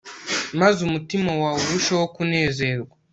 maze umutima wawe urusheho kunezerwa